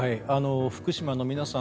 福島の皆さん